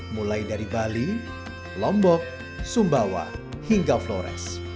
mulai dari bali lombok sumbawa hingga flores